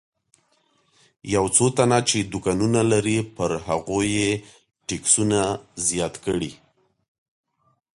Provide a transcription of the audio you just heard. یو څو تنه چې دوکانونه لري پر هغوی یې ټکسونه زیات کړي.